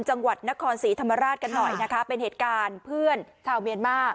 จังหวัดนครศรีธรรมราชกันหน่อยนะคะเป็นเหตุการณ์เพื่อนชาวเมียนมา